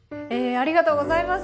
ありがとうございます。